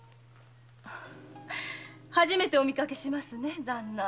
初めてお見かけしますね旦那。